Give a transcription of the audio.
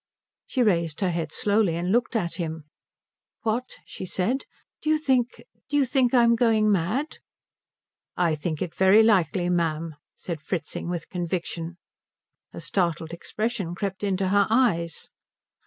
She raised her head slowly and looked at him. "What?" she said. "Do you think do you think I'm going mad?" "I think it very likely, ma'am," said Fritzing with conviction. A startled expression crept into her eyes.